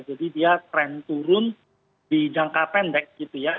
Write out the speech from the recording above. jadi dia trend turun di jangka pendek gitu ya